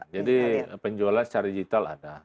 jadi penjualan secara digital ada